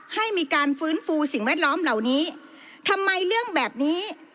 ให้มีการฟื้นฟูสิ่งแวดล้อมเหล่านี้ทำไมเรื่องแบบนี้